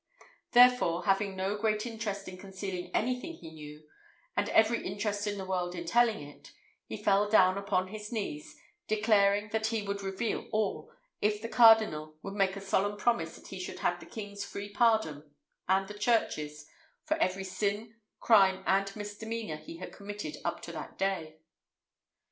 Therefore, having no great interest in concealing anything he knew, and every interest in the world in telling it, he fell down upon his knees, declaring that he would reveal all, if the cardinal would make a solemn promise that he should have the king's free pardon and the church's for every sin, crime, and misdemeanour he had committed up to that day.